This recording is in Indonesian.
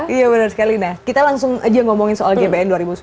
iya benar sekali nah kita langsung aja ngomongin soal gbn dua ribu sembilan belas